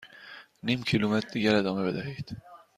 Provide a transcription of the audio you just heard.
نیم کیلومتر دیگر ادامه بدهید.